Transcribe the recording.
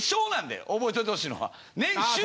覚えといてほしいのは。